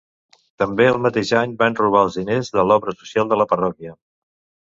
També el mateix any van robar els diners de l'Obra Social de la parròquia.